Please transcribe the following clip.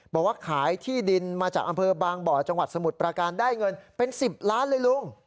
บอกว่าขายที่ดินมาจากอำเภอบางบ่อจังหวัดสมุทรประการได้เงินเป็น๑๐ล้านเลยลุง